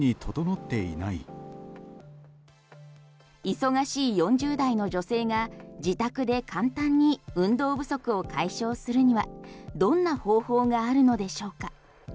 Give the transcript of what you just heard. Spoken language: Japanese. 忙しい４０代の女性が自宅で簡単に運動不足を解消するにはどんな方法があるのでしょうか？